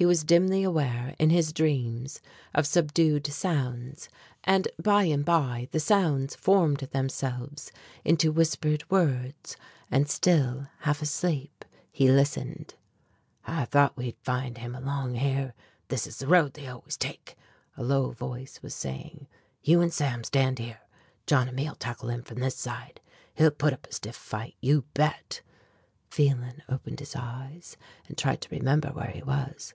He was dimly aware, in his dreams, of subdued sounds and, by and by, the sounds formed themselves into whispered words and, still half asleep, he listened. "I thought we'd find him along here. This is the road they always take," a low voice was saying; "you and Sam stand here, John and me'll tackle him from this side. He'll put up a stiff fight, you bet." Phelan opened his eyes, and tried to remember where he was.